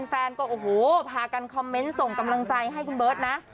แฟนก็โอ้โหพากันคอมเมนต์ส่งกำลังใจให้คุณเบิร์ตนะ